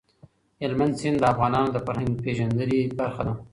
هلمند سیند د افغانانو د فرهنګي پیژندنې برخه ده.